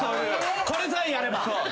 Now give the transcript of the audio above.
「これさえあれば」